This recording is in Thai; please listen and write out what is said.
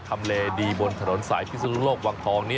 ทำเลดีบนถนนสายพิศนุโลกวังทอง